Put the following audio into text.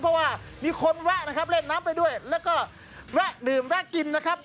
เพราะว่ามีคนแวะนะครับเล่นน้ำไปด้วยแล้วก็แวะดื่มแวะกินนะครับ